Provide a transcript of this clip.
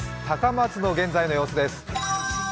高松の現在の様子です。